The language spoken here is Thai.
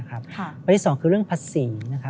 และที่สองคือเรื่องภาษี